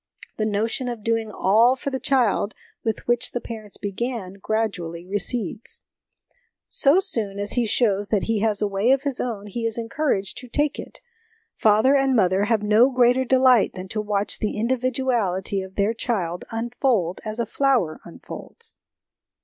The notion of doing all for the child with which the parents began gradually recedes. So soon as he shows that he has a way of his own he is encouraged to take it. Father and mother have no greater delight than to watch the individuality of their child unfold as a flower unfolds.